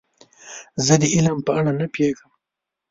زه د علم په اړه نه پوهیږم.